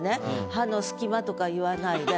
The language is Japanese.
「葉の隙間」とか言わないで。